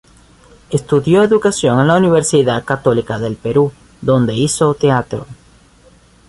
Estudió Educación en la Universidad Católica del Perú, donde hizo teatro.